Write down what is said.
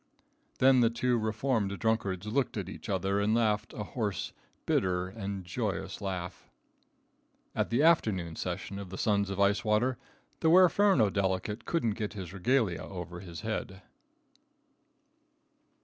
Then the two reformed drunkards looked at each other, and laughed a hoarse, bitter and joyous laugh. At the afternoon session of the Sons of Ice Water, the Huerferno delegate couldn't get his regalia over his head.